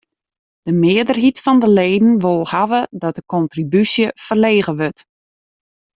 De mearheid fan de leden wol hawwe dat de kontribúsje ferlege wurdt.